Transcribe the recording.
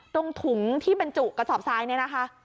ตรงถุงที่เป็นจุกกระสอบซ้ายนี้นะคะ